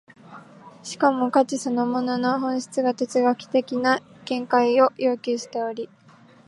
しかも価値そのものの本質が哲学的な見方を要求しており、